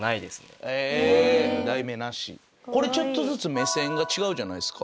これちょっとずつ目線が違うじゃないですか。